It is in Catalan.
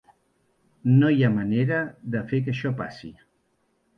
No hi ha manera de fer que això passi.